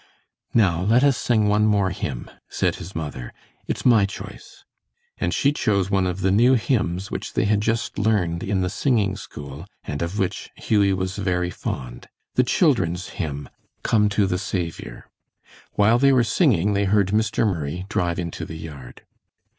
"Now let us sing one more hymn," said his mother. "It's my choice." And she chose one of the new hymns which they had just learned in the singing school, and of which Hughie was very fond, the children's hymn, "Come to the Saviour." While they were singing they heard Mr. Murray drive into the yard.